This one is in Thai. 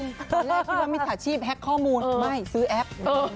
ตอนแรกคิดว่ามิจฉาชีพแฮ็กข้อมูลไม่ซื้อแอป